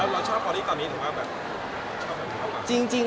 แล้วถ่ายละครมันก็๘๙เดือนอะไรอย่างนี้